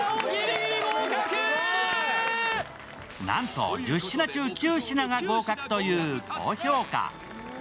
なんと１０品中９品が合格という高評価。